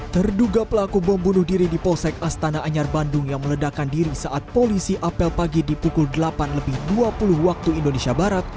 terduga pelaku bom bunuh diri di posek astana anyar bandung yang meledakan diri saat polisi apel pagi di pukul delapan lebih dua puluh waktu indonesia barat